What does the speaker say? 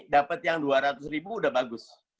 dapat yang dua ratus ribu udah bagus